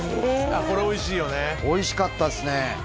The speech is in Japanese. これおいしいよねおいしかったっすね